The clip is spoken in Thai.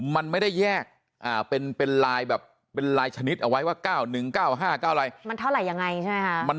มันไม่ได้แยกเป็นลายแบบเป็นลายชนิดเอาไว้ว่า๙๑๙๕๙อะไรมันเท่าไหร่ยังไงใช่ไหมคะ